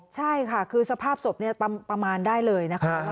ใช่ค่ะคือสภาพศพประมาณได้เลยนะคะ